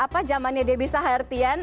apa jamannya dia bisa artian